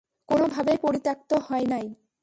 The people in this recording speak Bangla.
কোন ভাবই পরিত্যক্ত হয় নাই।